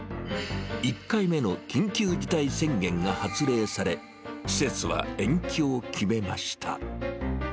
１回目の緊急事態宣言が発令され、施設は延期を決めました。